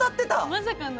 まさかの。